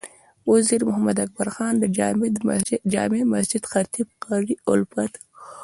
وزیر محمد اکبر خان د جامع مسجد خطیب قاري الفت،